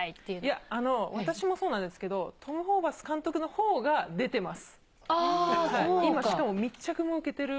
私もそうなんですけど、トム・ホーバス監督のほうが出てます。